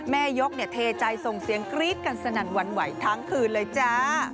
แม่ยกเทใจส่งเสียงกรี๊ดกันสนั่นหวั่นไหวทั้งคืนเลยจ้า